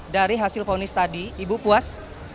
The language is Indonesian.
dari hasil fonis tadi ibu puas